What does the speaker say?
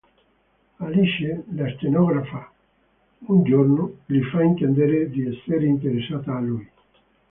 Alice, la stenografa, un giorno gli fa intendere di essere interessata a lui.